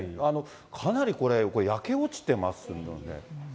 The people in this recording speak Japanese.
かなりこれ、焼け落ちてますよね。